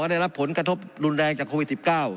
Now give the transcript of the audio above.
ได้รับผลกระทบรุนแรงจากโควิด๑๙